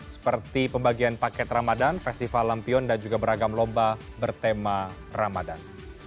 seperti pembagian paket ramadan festival lampion dan juga beragam lomba bertema ramadan